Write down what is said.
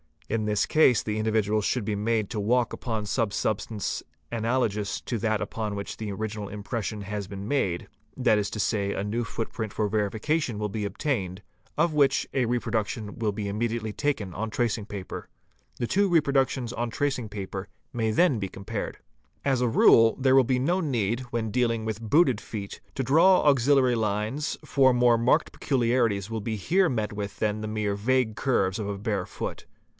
In this case the individual should be made to walk upon some substance analogous to that upon which the original impression has been made, that | is to say, a new footprint for verification will be obtained, of which a reproduction will be immediately taken on tracing paper. The two re _ productions on tracing paper may be then compared. As a rule, there will be no need, when dealing with booted feet, to draw auxiliary lines, for more marked peculiarities will be here met with than the mere vague curves of a bare foot.